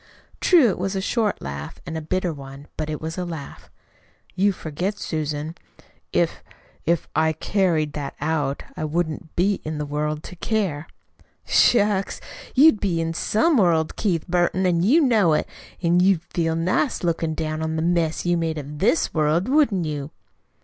True, it was a short laugh, and a bitter one; but it was a laugh. "You forget, Susan. If if I carried that out I wouldn't be in the world to care." "Shucks! You'd be in some world, Keith Burton, an' you know it. An' you'd feel nice lookin' down on the mess you'd made of THIS world, wouldn't you?"